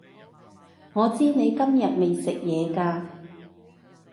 我知你今日未食嘢㗎